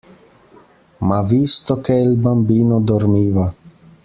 Ma visto che il bambino dormiva.